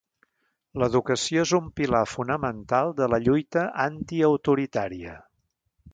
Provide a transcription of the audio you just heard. L'educació és un pilar fonamental de la lluita antiautoritària.